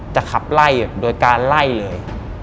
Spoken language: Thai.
จะขับไล่โดยการไล่เลย